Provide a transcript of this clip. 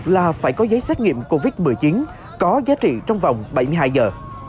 là phải có giấy xét nghiệm covid một mươi chín có giá trị trong vòng bảy mươi hai giờ